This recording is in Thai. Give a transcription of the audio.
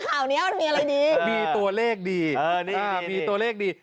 ข่าวเนี้ยมันมีอะไรดีมีตัวเลขดีมีตัวเลขดี